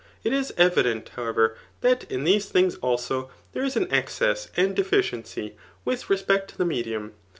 It is evident, however, that in these things also there is an excess and deficiency with respect to the me dium.